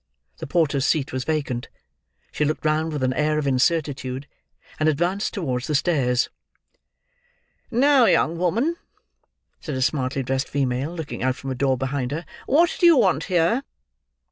The porter's seat was vacant. She looked round with an air of incertitude, and advanced towards the stairs. "Now, young woman!" said a smartly dressed female, looking out from a door behind her, "who do you want here?"